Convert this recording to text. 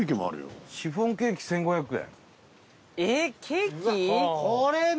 伊達：シフォンケーキ１５００円。